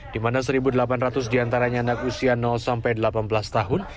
di mana satu delapan ratus diantaranya anak usia sampai delapan belas tahun